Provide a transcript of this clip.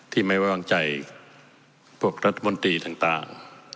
ไม่ไว้วางใจพวกรัฐมนตรีต่าง